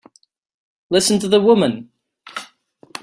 Listen to the woman!